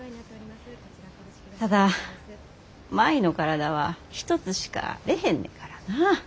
ただ舞の体は一つしかあれへんねからな。